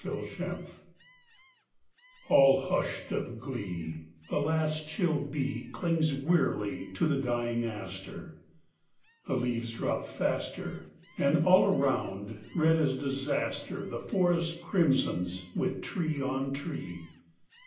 HALLOWMAS All hushed of glee, The last chill bee Clings wearily To the dying aster: The leaves drop faster: And all around, red as disaster, The forest crimsons with tree on tree.